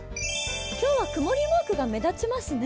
今日は曇りマークが目立ちますね。